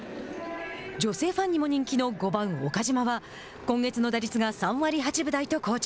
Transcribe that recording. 女性ファンにも人気の５番岡島は今月の打率が３割８分台と好調。